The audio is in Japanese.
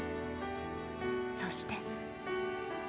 そして。